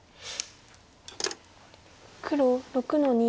黒６の二。